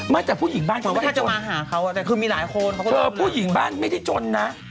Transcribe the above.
ไม่แต่ผู้หญิงบ้านเขาไม่ได้จนคือผู้หญิงบ้านไม่ได้จนนะ